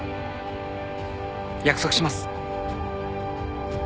約束します